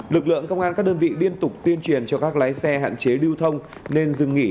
lực lượng công an các đơn vị liên tục tuyên truyền cho các lái xe hạn chế lưu thông nên dừng nghỉ